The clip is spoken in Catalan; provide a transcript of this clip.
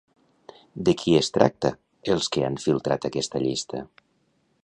De qui es tracta els que han filtrat aquesta llista?